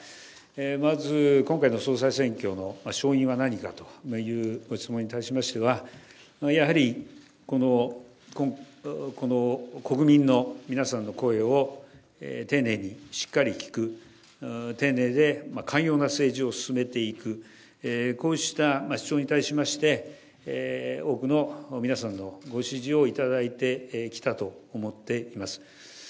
まず今回の総裁選挙の勝因は何かというご質問に対しましては、やはりこの国民の皆さんの声を丁寧にしっかり聞く、丁寧で寛容な政治を進めていく、こうした主張に対しまして、多くの皆さんのご支持をいただいてきたと思っています。